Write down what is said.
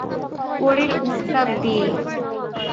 কোরের উত্তাপ দিয়েই।